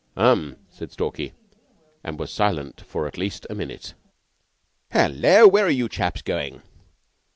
"Um!" said Stalky, and was silent for at least a minute. "Hullo! Where are you chaps going?"